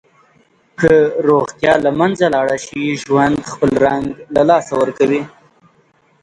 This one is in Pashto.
که روغتیا له منځه لاړه شي، ژوند خپل رنګ له لاسه ورکوي.